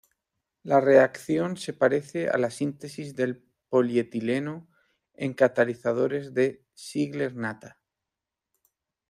La reacción se parece a la síntesis del polietileno en catalizadores de Ziegler-Nata.